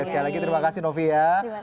oke sekali lagi terima kasih novi ya